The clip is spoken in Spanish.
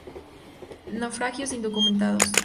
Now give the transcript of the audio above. Naufragios indocumentados.